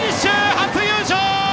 初優勝。